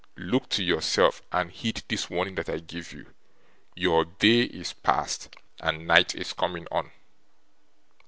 Look to yourself, and heed this warning that I give you! Your day is past, and night is comin' on.